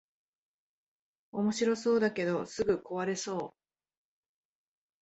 おもしろそうだけどすぐ壊れそう